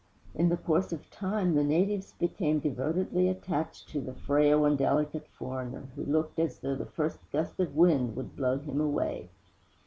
In the course of time the natives became devotedly attached to the frail and delicate foreigner who looked as though the first gust of wind would blow him away.